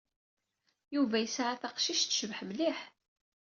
Yuba yesɛa taqcict tecbeḥ mliḥ.